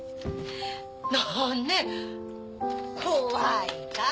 何ね怖い顔。